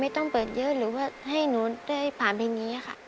ต้องเปิดเยอะหรือว่าให้หนูได้ผ่านเพลงนี้ค่ะ